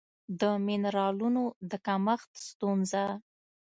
د مېنرالونو د کمښت ستونزه